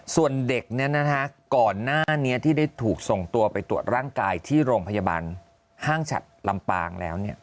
ส่วนเด็กก่อนหน้านี้ที่ได้ถูกส่งตัวไปตรวจร่างกายที่โรงพยาบาลห้างฉัดลำปางแล้ว